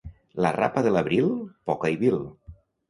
La rapa de l'abril, poca i vil.